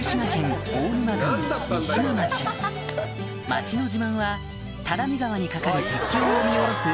町の自慢は只見川に架かる鉄橋を見下ろす